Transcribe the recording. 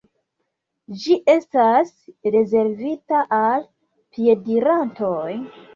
Ĝi estas rezervita al piedirantoj.